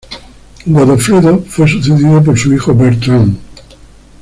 Godofredo fue sucedido por su hijo Bertrand.